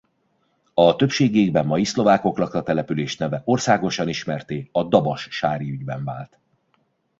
A többségében ma is szlovákok lakta település neve országosan ismertté a Dabas-Sári ügyben vált.